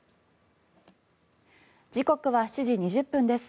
時刻は７時２０分です。